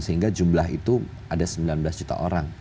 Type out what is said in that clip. sehingga jumlah itu ada sembilan belas juta orang